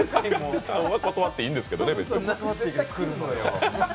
本当は断っていいんですけどね。